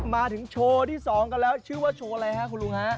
มาถึงโชว์ที่๒กันแล้วชื่อว่าโชว์อะไรฮะคุณลุงฮะ